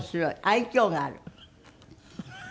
愛嬌がある。